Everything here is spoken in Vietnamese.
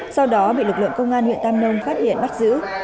sau đó bị lực lượng công an huyện tam nông phát hiện bắt giữ